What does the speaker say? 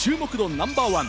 ナンバーワン。